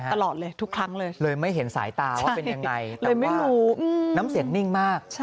ตลอดเลยทุกครั้งเลยเลยไม่เห็นสายตาว่าเป็นยังไงแต่ว่าน้ำเสียงนิ่งมาก